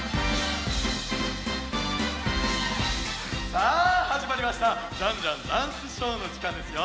さあはじまりました「ジャンジャンダンスショー」のじかんですよ。